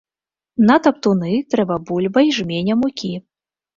На таптуны трэба бульба й жменя мукі.